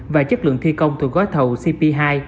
và chất lượng thi công từ gối thầu cp hai